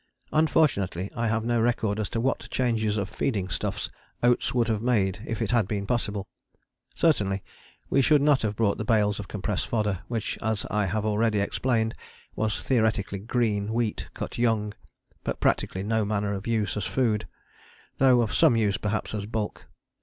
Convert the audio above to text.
Unfortunately I have no record as to what changes of feeding stuffs Oates would have made if it had been possible. Certainly we should not have brought the bales of compressed fodder, which as I have already explained, was theoretically green wheat cut young, but practically no manner of use as a food, though of some use perhaps as bulk.